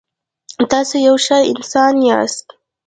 تاسو یو ښه انسان یاست.